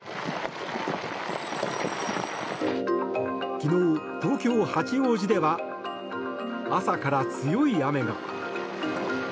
昨日、東京・八王子では朝から強い雨が。